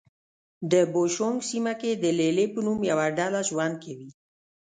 د بوشونګ سیمه کې د لې لې په نوم یوه ډله ژوند کوي.